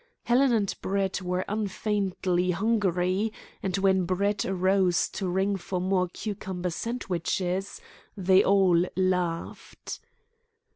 Helen and Brett were unfeignedly hungry, and when Brett rose to ring for more cucumber sandwiches, they all laughed.